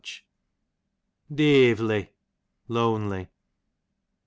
Deeavely, lonely.